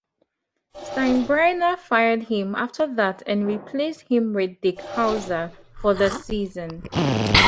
Steinbrenner fired him after that and replaced him with Dick Howser for the season.